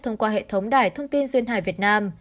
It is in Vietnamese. thông qua hệ thống đài thông tin duyên hải việt nam